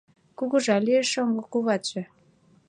Кугыжа лиеш шоҥго куватше!»